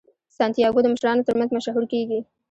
سانتیاګو د مشرانو ترمنځ مشهور کیږي.